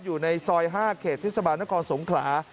อยู่ในซอย๕เขตเทศบาลนครสงขลา